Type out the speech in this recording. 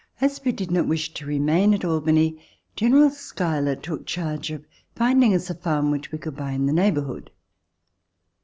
AS we did not wish to remain at Albany, General Schuyler took charge of finding us a farm which we could buy in the neighbor hood.